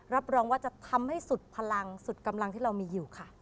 รับรองว่าจะทำให้สุดพลังสุดกำลังที่เรามีอยู่ค่ะ